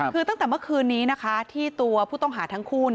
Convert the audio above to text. คือตั้งแต่เมื่อคืนนี้นะคะที่ตัวผู้ต้องหาทั้งคู่